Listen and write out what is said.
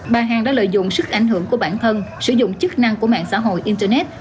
bà hằng đã lợi dụng sức ảnh hưởng của bản thân sử dụng chức năng của mạng xã hội internet